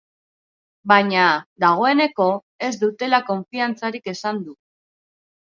Baina, dagoeneko ez dutela konfiantzarik esan du.